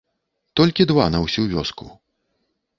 Толькі два на ўсю вёску.